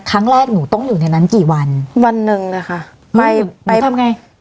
ครั้งแรกหนูต้องอยู่ในนั้นกี่วันวันหนึ่งนะคะไปหนูทำไง